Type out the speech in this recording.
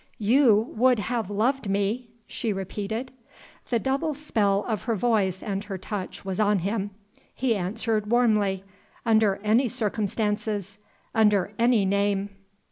"You would have loved me?" she repeated. The double spell of her voice and her touch was on him. He answered, warmly, "Under any circumstances! under any name!"